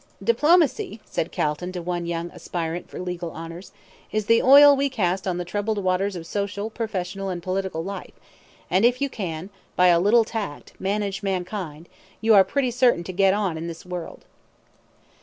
"Diplomacy," said Calton, to one young aspirant for legal honours, "is the oil we cast on the troubled waters of social, professional, and political life; and if you can, by a little tact, manage mankind, you are pretty certain to get on in this world."